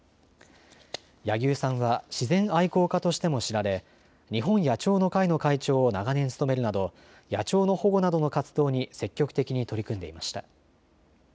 柳生さんは自然愛好家としても知られ日本野鳥の会の会長を長年務めるなど野鳥の保護などの活動に積極的に取り組んでいました。